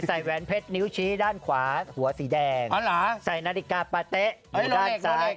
ใส่แวดเพชรนิ้วชี้ด้านขวาหัวสีแดงเอาล่ะใส่นาดิการว์แลส